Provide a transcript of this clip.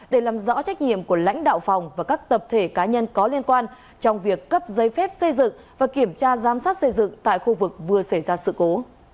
để làm rõ trách nhiệm của lãnh đạo phòng và các tập thể cá nhân có liên quan trong việc cấp giấy phép xây dựng và kiểm tra giám sát xây dựng tại khu vực vừa xảy ra sự cố